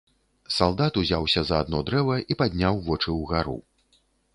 Салдат узяўся за адно дрэва і падняў вочы ўгару.